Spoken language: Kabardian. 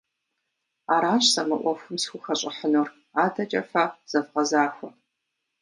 Аращ сэ мы ӏуэхум схухэщӏыхьынур, адэкӏэ фэ зэвгъэзахуэ.